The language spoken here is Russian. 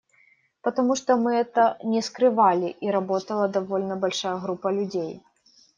Потому что мы это не скрывали, и работала довольно большая группа людей.